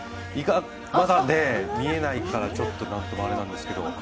まだ見えないから、ちょっとなんともあれなんですけど。